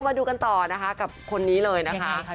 มาดูกันต่อนะคะกับคนนี้เลยนะคะ